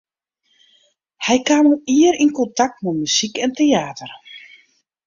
Hy kaam al ier yn kontakt mei muzyk en teäter.